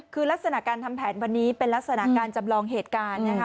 คือลักษณะการทำแผนวันนี้เป็นลักษณะการจำลองเหตุการณ์นะคะ